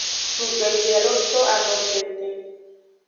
Cugbeje lo to ano tenten.